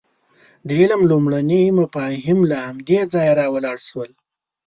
د علم لومړني مفاهیم له همدې ځایه راولاړ شول.